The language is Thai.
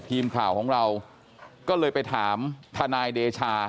ทีมข่าวของเราก็เลยไปถามทนายเดชา